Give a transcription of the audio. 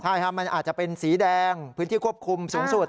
ใช่ครับมันอาจจะเป็นสีแดงพื้นที่ควบคุมสูงสุด